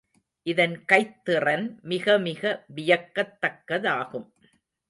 இதன் கைத்திறன் மிகமிக வியக்கத்தக்கதாகும்.